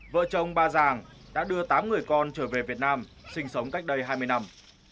vợ chồng ba giàng đã đưa tám người con trở về việt nam sinh sống cách đây hai mươi năm